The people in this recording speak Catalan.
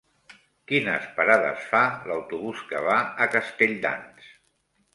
Quines parades fa l'autobús que va a Castelldans?